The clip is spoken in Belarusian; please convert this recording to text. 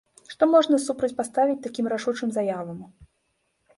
Што можна супрацьпаставіць такім рашучым заявам?